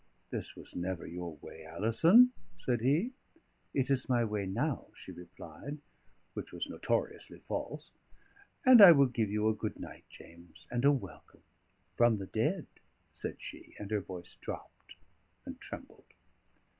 "This was never your way, Alison," said he. "It is my way now," she replied: which was notoriously false, "and I will give you a good night, James, and a welcome from the dead," said she, and her voice dropped and trembled.